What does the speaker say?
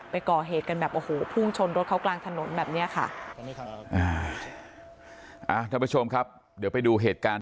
ไปก่อเหตุกันแบบโอ้โหพุ่งชนรถเขากลางถนนแบบนี้ค่ะ